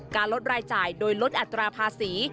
ลดรายจ่ายโดยลดอัตราภาษี